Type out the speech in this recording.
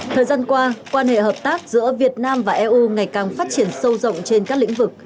thời gian qua quan hệ hợp tác giữa việt nam và eu ngày càng phát triển sâu rộng trên các lĩnh vực